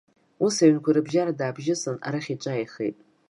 Ус, аҩнқәа рыбжьара даабжьысын, арахь иҿааихеит.